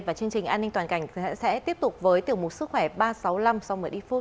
và chương trình an ninh toàn cảnh sẽ tiếp tục với tiểu mục sức khỏe ba trăm sáu mươi năm sau một mươi phút